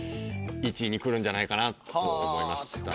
１位にくるんじゃないかなと思いましたね。